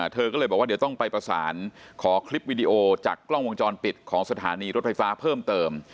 เธอก็เลยบอกว่าเดี๋ยวต้องไปประสานขอคลิปวิดีโอจากกล้องวงจรปิดของสถานีรถไฟฟ้าเพิ่มเติม